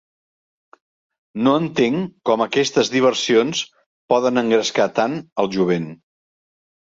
No entenc com aquestes diversions poden engrescar tant el jovent.